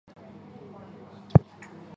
鲑鱼鲑鱼卵